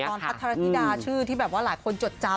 พัทรธิดาชื่อที่แบบว่าหลายคนจดจำ